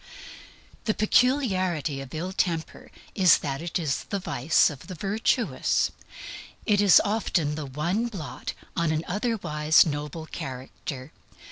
The peculiarity of ill temper is that it is the vice of the virtuous. It is often the one blot on an otherwise noble character.